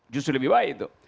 justru lebih baik